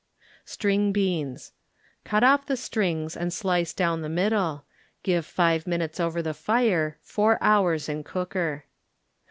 String Beans Cut off the strings and slice down the middle; give five minutes over the fire, four hours in cooker.